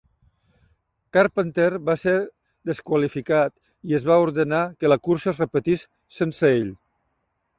Carpenter va ser desqualificat i es va ordenar que la cursa es repetís sense ell.